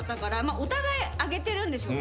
お互いあげてるんでしょうね